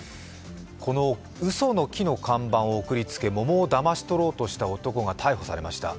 このうその木の看板を送りつけ桃をだまし取ろうとした男が逮捕されました。